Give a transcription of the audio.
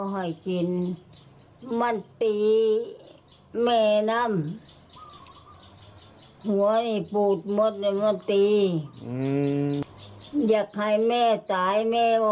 พ่อไปฟังหน่อยครับ